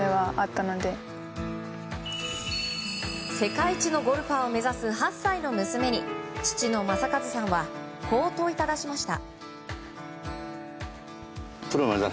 世界一のゴルファーを目指す８歳の娘に父の正和さんはこう問いただしました。